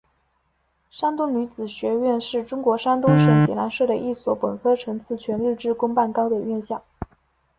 山东女子学院是中国山东省济南市的一所本科层次全日制公办高等院校。